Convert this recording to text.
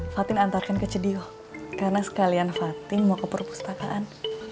fatin antarkan ke cidio karena sekalian fathing mau ke perpustakaan